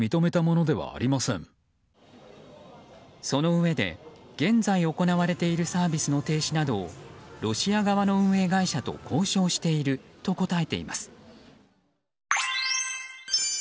そのうえで現在を行われているサービスの停止などロシア側の運営会社と交渉していると答えています。